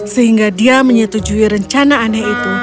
sehingga dia menyetujui rencana aneh itu